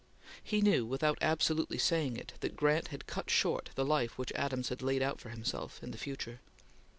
He knew, without absolutely saying it, that Grant had cut short the life which Adams had laid out for himself in the future.